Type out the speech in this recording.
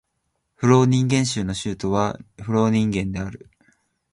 フローニンゲン州の州都はフローニンゲンである